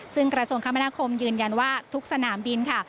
ซึ่งกระทรวงคมนาคมยืนยันว่าทุกสนามบินค่ะ